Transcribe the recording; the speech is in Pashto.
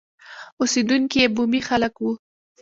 اوسېدونکي یې بومي خلک وو.